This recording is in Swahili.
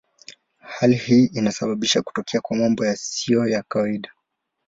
Hali hii inasababisha kutokea kwa mambo yasiyo kawaida.